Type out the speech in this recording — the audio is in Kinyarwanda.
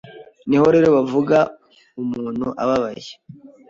Ni ho rero bavuga umuntu ababaye,